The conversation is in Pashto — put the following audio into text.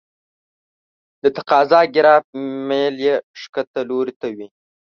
د تقاضا ګراف میل یې ښکته لوري ته وي.